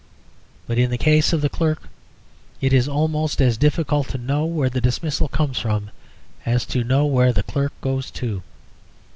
But in the case of the clerk it is almost as difficult to know where the dismissal comes from as to know where the clerk goes to.